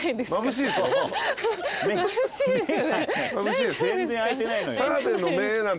目がね全然開いてないのよ。